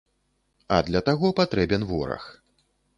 А для таго патрэбен вораг.